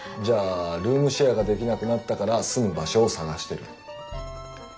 じゃあルームシェアができなくなったから住む場所を探してる。